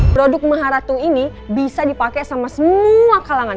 produk maharatu ini bisa dipakai sama semua kalangan